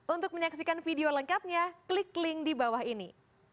untuk menyaksikan video lengkapnya klik link di bawah ini